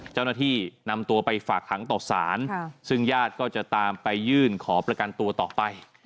เจ้าหน้าที่นำตัวไปฝากขังต่อสารซึ่งญาติก็จะตามไปยื่นขอประกันตัวต่อไป